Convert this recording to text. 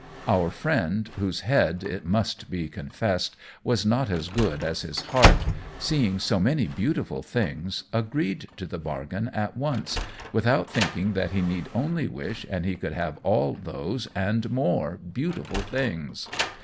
Our friend, whose head, it must be confessed, was not as good as his heart, seeing so many beautiful things, agreed to the bargain at once, without thinking that he need only wish and he could have all those and more beautiful things.